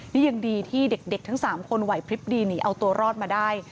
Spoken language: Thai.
นี่ยังดีที่เด็กทั้ง๓คนไหวพลิบดีหนีเอาตัวรอดมาได้